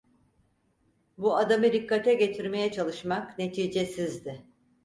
Bu adamı rikkate getirmeye çalışmak neticesizdi…